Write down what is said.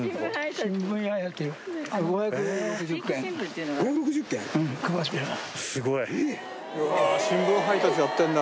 新聞配達やってるんだ。